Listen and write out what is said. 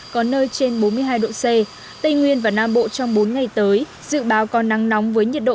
có nơi trên bốn mươi hai độ c tây nguyên và nam bộ trong bốn ngày tới dự báo có nắng nóng với nhiệt độ